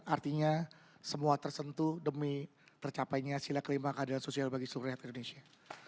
artinya semua tersentuh demi tercapainya sila kelima keadilan sosial bagi seluruh rakyat indonesia